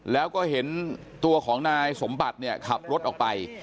แล้วก็เห็นตัวของนายสมบัติเนี่ยขับรถออกไป